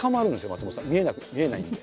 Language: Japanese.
松本さん見えない見えないんで。